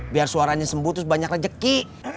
biar suaranya sembuh terus banyak rezeki